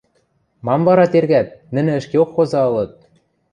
Мам вара тергӓт, нӹнӹ ӹшкеок хоза ылыт.